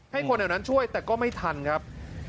คนแถวนั้นช่วยแต่ก็ไม่ทันครับ